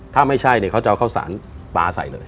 ถ้าไม่ใช่เนี่ยเขาจะเอาข้าวสารปลาใส่เลย